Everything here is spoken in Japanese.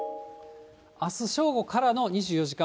あす正午からの２４時間